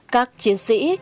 các chiến sĩ